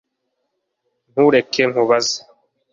ntureke nkubuze